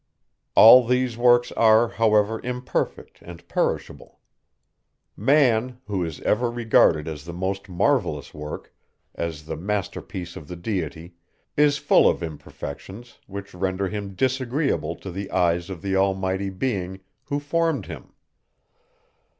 All these works are, however, imperfect and perishable. Man, who is ever regarded as the most marvellous work, as the master piece of the Deity, is full of imperfections, which render him disagreeable to the eyes of the almighty Being, who formed him.